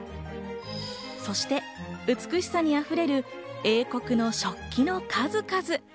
そして美しさに溢れる英国の食器の数々。